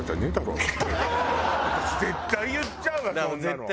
私絶対言っちゃうわそんなの。